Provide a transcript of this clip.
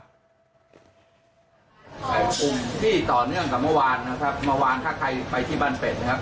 กลุ่มที่ต่อเนื่องกับเมื่อวานนะครับเมื่อวานถ้าใครไปที่บ้านเป็ดนะครับ